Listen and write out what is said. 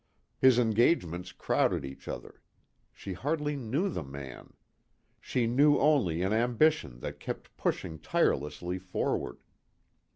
His engagements crowded each other. She hardly knew the man. She knew only an ambition that kept pushing tirelessly forward.